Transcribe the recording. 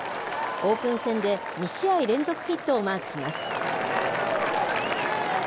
オープン戦で２試合連続ヒットをマークします。